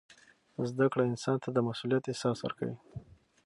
زده کړه انسان ته د مسؤلیت احساس ورکوي.